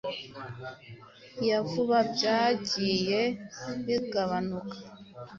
ya vuba byagiye bigabanuka.